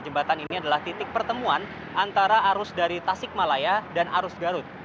jembatan ini adalah titik pertemuan antara arus dari tasik malaya dan arus garut